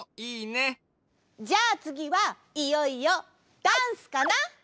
じゃあつぎはいよいよダンスかな！